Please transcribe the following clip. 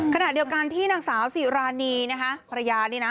ขณะเดียวกันที่นางสาวสิรานีนะคะภรรยานี่นะ